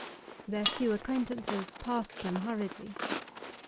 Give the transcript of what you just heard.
Their few acquaintances passed them hurriedly.